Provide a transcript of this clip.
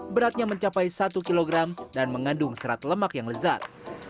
beratnya mencapai satu kg dan mengandung serat lemak yang lezat